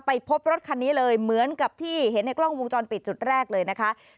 พบรถคันนี้เลยเหมือนกับที่เห็นในกล้องวงจรปิดจุดแรกเลยนะคะ